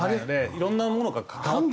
いろんなものが懸かって。